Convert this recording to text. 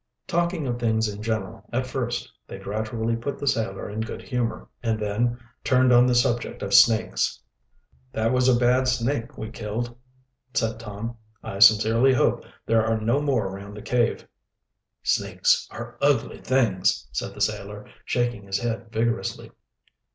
Talking of things in general at first, they gradually put the sailor in good humor, and then turned on the subject of snakes. "That was a bad snake we killed," said Tom. "I sincerely hope there are no more around the cave." "Snakes are ugly things," said the sailor, shaking his head vigorously.